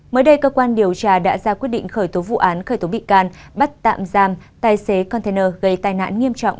mới đây cơ quan điều tra đã ra quyết định khởi tố vụ án khởi tố bị can bắt tạm giam tài xế container gây tai nạn nghiêm trọng